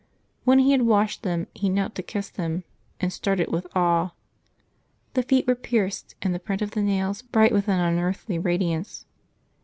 When he had washed them, he knelt to kiss them, and started with awe : the feet were pierced, and the print of the nails bright with an unearthly radiance.